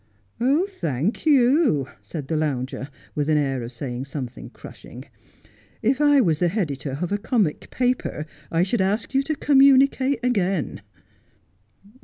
' Thank you,' said the lounger, with an air of saying something crushing. ' If I was the heditor of a comic paper I should ask you to communicate again